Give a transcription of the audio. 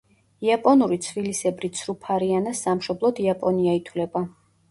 იაპონური ცვილისებრი ცრუფარიანას სამშობლოდ იაპონია ითვლება.